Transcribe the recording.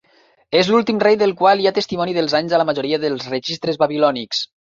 És l'últim rei del qual hi ha testimoni dels anys a la majoria dels registres babilònics.